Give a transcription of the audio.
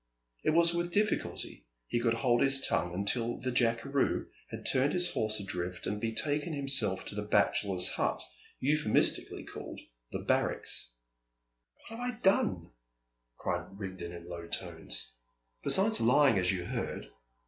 It was with difficulty he could hold his tongue until the jackeroo had turned his horse adrift and betaken himself to the bachelors' hut euphemistically yclept "the barracks." "What have I done," cried Rigden, in low tones, "besides lying as you heard?